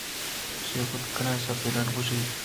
تو چے کُت کنئے ؟سپرنٹنڈنٹءَ گوٛشت